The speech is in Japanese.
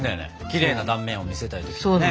きれいな断面を見せたい時とかね。